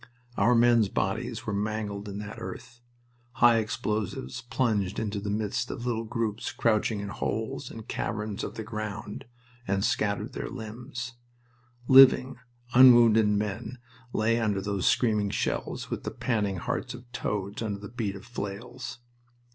Our men's bodies were mangled in that earth. High explosives plunged into the midst of little groups crouching in holes and caverns of the ground, and scattered their limbs. Living, unwounded men lay under those screaming shells with the panting hearts of toads under the beat of flails.